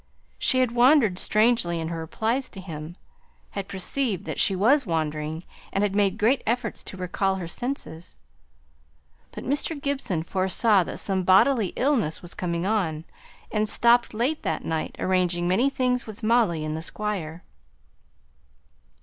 She had wandered strangely in her replies to him; he had perceived that she was wandering, and had made great efforts to recall her senses; but Mr. Gibson foresaw that some bodily illness was coming on, and stopped late that night, arranging many things with Molly and the Squire.